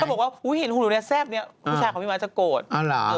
ถ้าบอกว่าเห็นหุ่นรูปแซ่บเนี่ยผู้ชายของพี่มาร์ทจะโกรธอ๋อเหรอ